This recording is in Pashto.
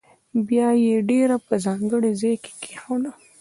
بیا یې ډبره په ځانګړي ځاې کې کېښوده.